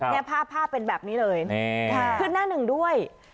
ภาพภาพเป็นแบบนี้เลยขึ้นหน้าหนึ่งด้วย